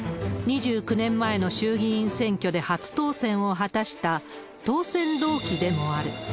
２９年前の衆議院選挙で初当選を果たした当選同期でもある。